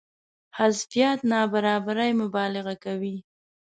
حذفيات نابرابرۍ مبالغه کوي.